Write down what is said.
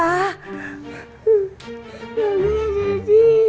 ya allah jadi